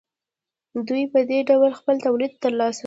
دوی په دې ډول خپل تولید ترسره کاوه